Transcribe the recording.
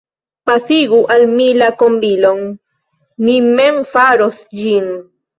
Pasigu al mi la kombilon, mi mem faros ĝin.